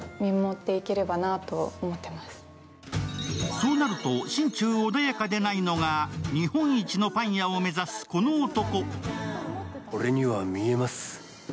そうなると心中穏やかでないのが日本一のパン屋を目指す、この男。